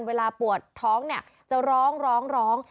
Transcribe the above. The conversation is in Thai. เวลาปวดท้องเนี่ยจะร้องร้อง